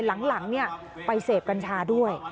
หลังไปเสพกัญชาด้วย